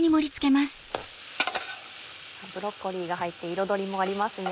ブロッコリーが入って彩りもありますね。